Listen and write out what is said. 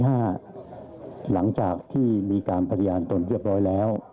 หลังจากที่มีการพยานตนเรียบร้อยแล้ว